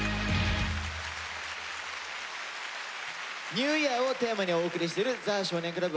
「ＮＥＷＹＥＡＲ」をテーマにお送りしている「ザ少年倶楽部」